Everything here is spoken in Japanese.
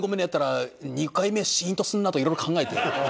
やったら２回目しんとするなとかいろいろ考えて。